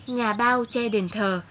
nhà bao che đền thờ